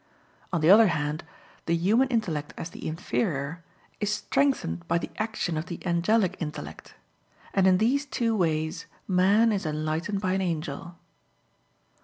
On the other hand, the human intellect as the inferior, is strengthened by the action of the angelic intellect. And in these two ways man is enlightened by an angel.